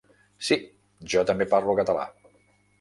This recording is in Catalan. Sí. Jo també parlo català.